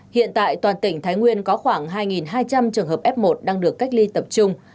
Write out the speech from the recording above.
hiện tại toàn tỉnh thái nguyên có khoảng hai hai trăm linh trường hợp f một đang được cách ly tập trung